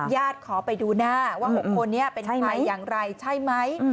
ขอไปดูหน้าว่า๖คนนี้เป็นใครอย่างไรใช่ไหม